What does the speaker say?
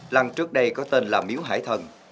lần trước đây có tên là miếu hải thần